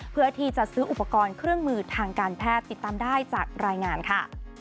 เพื่อที่จะซื้ออุปกรณ์เครื่องมือทางการแพทย์ติดตามได้จากรายงานค่ะ